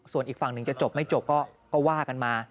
ส่วนอีกฝั่งหนึ่งจะจบไม่จบก็ว่ากันมา